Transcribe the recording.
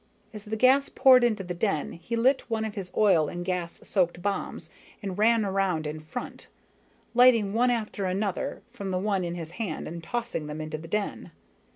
As the gas poured into the den he lit one of his oil and gas soaked bombs and ran around in front, lighting one after another from the one in his hand and tossing them into the den.